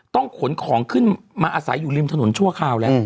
ขนของขึ้นมาอาศัยอยู่ริมถนนชั่วคราวแล้ว